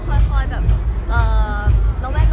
เตรียมว่าเจ๊อยากจะแบบ